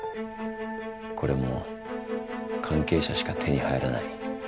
これも関係者しか手に入らない。